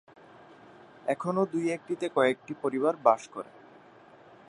এখনো দুই একটিতে কয়েকটি পরিবার বাস করে।